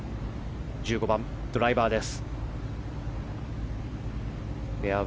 １５番、ドライバーです。